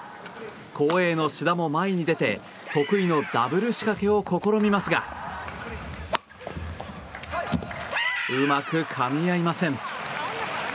後衛の志田も前に出て得意のダブル仕掛けを試みますがうまくかみ合いません。